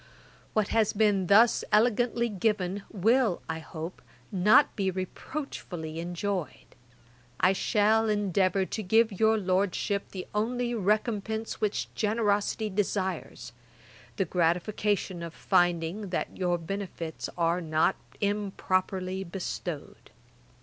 Ætat 53.] 'What has been thus elegantly given, will, I hope, not be reproachfully enjoyed; I shall endeavour to give your Lordship the only recompense which generosity desires, the gratification of finding that your benefits are not improperly bestowed.